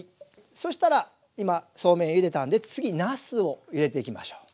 そしたら今そうめんゆでたんで次なすをゆでていきましょう。